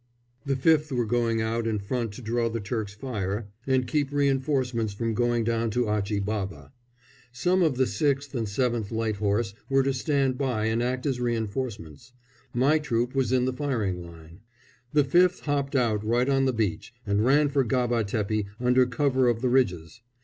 The 5th were going out in front to draw the Turks' fire and keep reinforcements from going down to Achi Baba. Some of the 6th and 7th Light Horse were to stand by and act as reinforcements. My troop was in the firing line. The 5th hopped out right on the beach, and ran for Gaba Tepi under cover of the ridges.